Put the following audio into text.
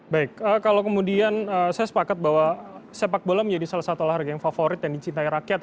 baik kalau kemudian saya sepakat bahwa sepak bola menjadi salah satu olahraga yang favorit yang dicintai rakyat